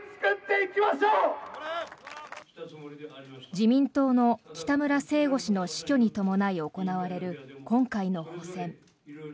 自民党の北村誠吾氏の死去に伴い、行われる今回の補選。